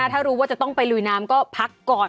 ถ้ารู้ว่าจะต้องไปลุยน้ำก็พักก่อน